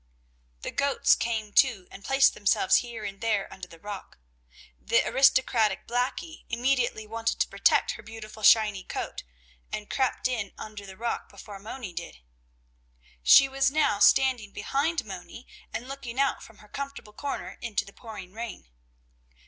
The goats came, too, and placed themselves here and there under the rock. The aristocratic Blackie immediately wanted to protect her beautiful shiny coat and crept in under the rock before Moni did. She was now standing behind Moni and looking out from her comfortable corner into the pouring rain.